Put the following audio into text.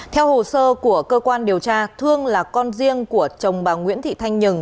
theo hồ sơ của cơ quan điều tra thương là con riêng của chồng bà nguyễn thị thanh nhường